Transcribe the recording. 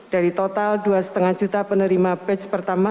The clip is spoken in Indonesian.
dari total dua lima juta penerima patch pertama